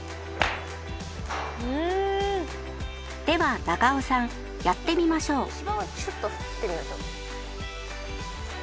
では永尾さんやってみましょう。